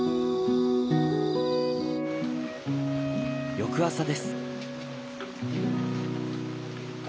翌朝です。